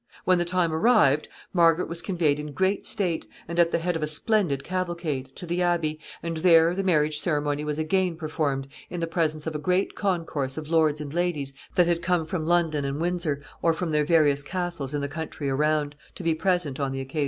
When the time arrived, Margaret was conveyed in great state, and at the head of a splendid cavalcade, to the abbey, and there the marriage ceremony was again performed in the presence of a great concourse of lords and ladies that had come from London and Windsor, or from their various castles in the country around, to be present on the occasion.